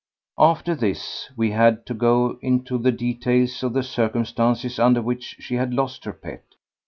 After this we had to go into the details of the circumstances under which she had lost her pet.